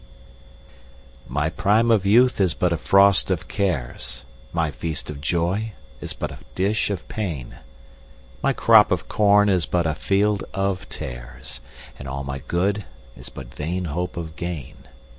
1My prime of youth is but a frost of cares,2My feast of joy is but a dish of pain,3My crop of corn is but a field of tares,4And all my good is but vain hope of gain.